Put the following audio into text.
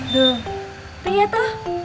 loh ria tuh